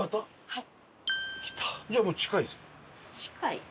はい。